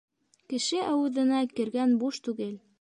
Кеше ауыҙына кергән буш түгел.